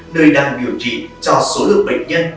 nơi đang biểu trì cho số lượng bệnh nhân